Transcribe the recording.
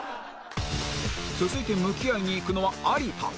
続いて向き合いにいくのは有田